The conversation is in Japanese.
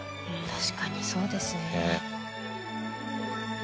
確かにそうですね。